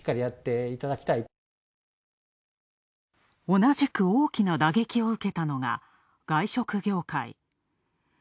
同じく大きな打撃を受けたのが、外食業界。